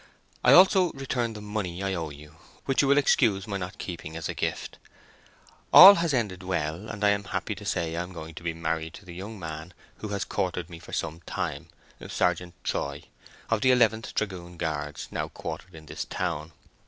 I also return the money I owe you, which you will excuse my not keeping as a gift. All has ended well, and I am happy to say I am going to be married to the young man who has courted me for some time—Sergeant Troy, of the 11th Dragoon Guards, now quartered in this town.